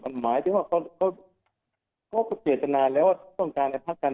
มันหมายนึงที่ว่าเกษตรน้ายแล้วเขาต้องการพักการ